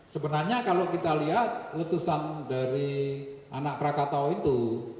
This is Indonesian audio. sebenarnya kalau kita lihat letusan dari anak krakatau itu